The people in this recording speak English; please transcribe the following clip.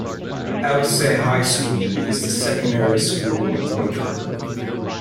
Alchesay High School is the secondary school of Whiteriver.